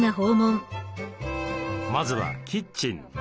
まずはキッチン。